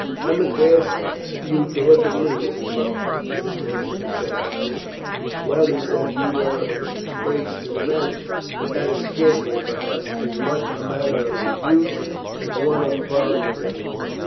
"I must ask you to look at me, Mr. Faulkner," the solicitor said mildly. "Well, he said that you were a disgrace to the bench. That is scarcely, perhaps, as much a matter of abuse as one of private opinion.